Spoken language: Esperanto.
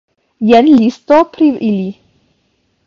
Jen listo pri ili.